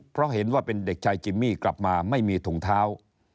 เพราะเห็นว่าเป็นเด็กชายจิมมี่กลับมาไม่มีถุงเท้า